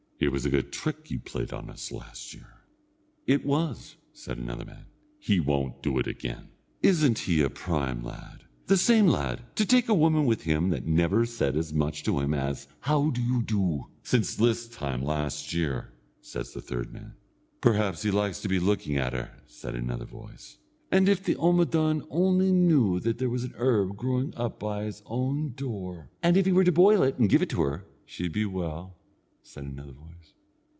It was a good trick you played on us last year." "It was," said another man; "he won't do it again." "Isn't he a prime lad, the same lad! to take a woman with him that never said as much to him as, 'How do you do?' since this time last year!" says the third man. "Perhaps he likes to be looking at her," said another voice. "And if the omadawn only knew that there's an herb growing up by his own door, and if he were to boil it and give it to her, she'd be well," said another voice.